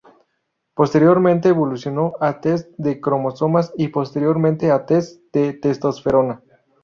Posteriormente evolucionó a test de cromosomas y posteriormente a test de testosterona.